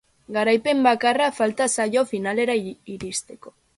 Garaipen bakarra falta zaio finalera iristeko.